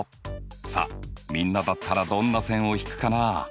さあみんなだったらどんな線を引くかな？